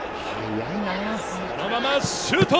そのまま、シュート！